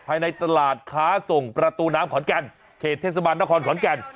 ภายในตลาดค้าส่งประตูน้ำขอนแก่นเขตเทศบาลนครขอนแก่น